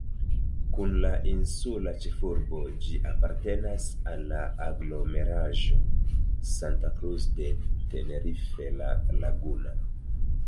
Kun la insula ĉefurbo ĝi apartenas al la aglomeraĵo Santa Cruz de Tenerife-La Laguna.